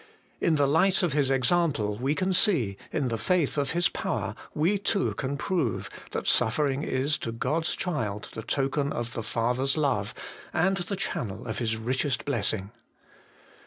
In the light of His example we can see, in the faith of His power we too can prove, that suffering is to God's child the token of the Father's love, and the channel of His richest bless ing.